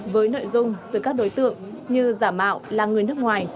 với nội dung từ các đối tượng như giả mạo là người nước ngoài